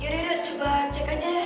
yaudah yaudah coba cek aja